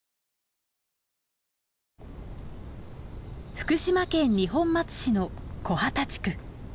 福島県二本松市の木幡地区。